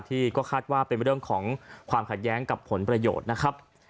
ที่ก็คาดว่าเป็นเรื่องของความขัดแย้งกับผลประโยชน์นะครับ